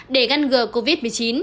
để ngăn ngừa covid một mươi chín